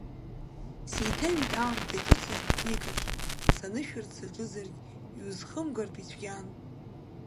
Сеиҭаҩит аамҭа иҿыцыз дунеикаҿ, санышәарц саҿызаргь, иузхымгартә ицәгьан.